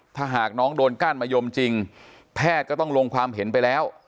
ถ้าหากน้องโดนก้านมะยมจริงแพทย์ก็ต้องลงความเห็นไปแล้ว